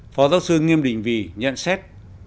phó giáo sư nghiêm đình vì nhận xét